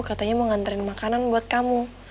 katanya mau nganterin makanan buat kamu